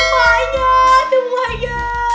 tuh banyak tuh banyak